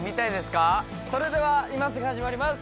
それでは今すぐ始まります。